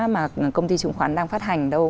mà công ty chứng khoán đang phát hành đâu